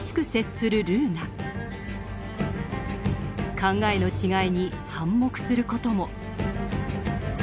考えの違いに反目する事も。